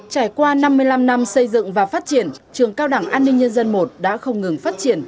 trải qua năm mươi năm năm xây dựng và phát triển trường cao đảng an ninh nhân dân i đã không ngừng phát triển